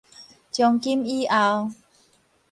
從今以後